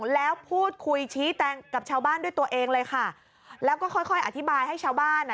แล้วก็ค่อยอธิบายให้ชาวบ้าน